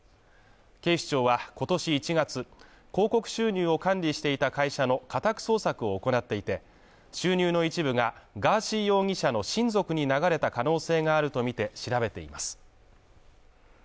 警視庁は今年１月、広告収入を管理していた会社の家宅捜索を行っていて、収入の一部が、ガーシー容疑者の親族に流れた可能性があるとみて調べています